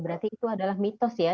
berarti itu adalah mitos ya